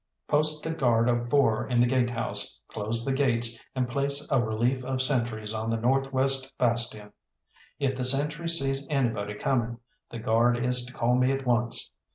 Post a guard of four in the gate house, close the gates, and place a relief of sentries on the North west Bastion. If the sentry sees anybody coming, the guard is to call me at once.